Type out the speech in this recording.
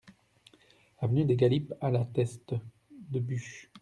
Avenue des Galipes à La Teste-de-Buch